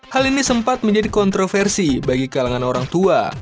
hal ini sempat menjadi kontroversi bagi kalangan orang tua